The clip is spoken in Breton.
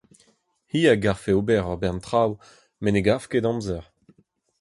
hi a garfe ober ur bern traoù met ne gav ket amzer.